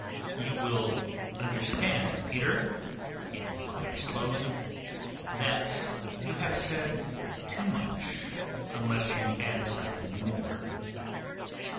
"You will understand, Peter," he replied slowly, "that you have said too much unless you add something more."